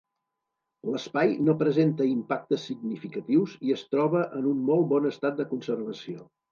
L'espai no presenta impactes significatius i es troba en un molt bon estat de conservació.